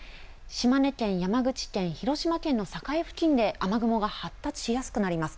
島根県、山口県、広島県の境付近で雨雲が発達しやすくなります。